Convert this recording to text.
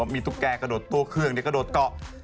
มีตุ๊กแกกระโดดตัวเครื่องกระโดดเกาะ